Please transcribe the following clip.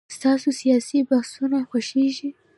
ستاسو سياسي بحثونه خوښيږي.